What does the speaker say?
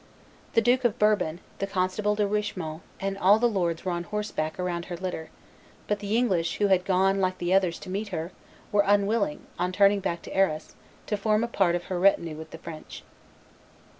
The Duke of Bourbon, the constable De Richemont, and all the lords were on horseback around her litter; but the English, who had gone, like the others, to meet her, were unwilling, on turning back to Arras, to form a part of her retinue with the French.